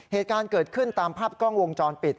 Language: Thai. เหตุการณ์เกิดขึ้นตามภาพกล้องวงจรปิด